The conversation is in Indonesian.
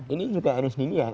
ini juga harus dilihat